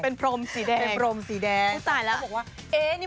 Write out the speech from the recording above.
เป็นพรมสีแดง